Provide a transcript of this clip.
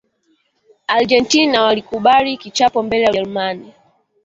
argentina walikubali kichapo mbele ya ujerumani